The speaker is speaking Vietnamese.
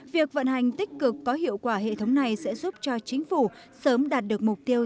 việc vận hành tích cực có hiệu quả hệ thống này sẽ giúp cho chính phủ sớm đạt được mục tiêu